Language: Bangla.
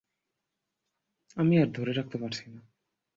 আমি আর ধরে রাখতে পারছি না।